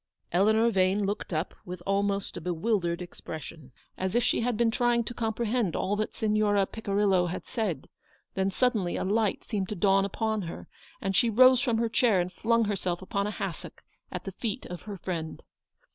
Eleanor Yane looked up with almost a be wildered expresssion, as if she had been trying to comprehend all that Signora Picirillo had said ; then suddenly a light seemed to dawn upon her, and she rose from her chair and flung herselC upon a hassock at the feet of her friend.